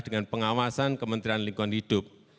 dengan pengawasan kementerian lingkungan hidup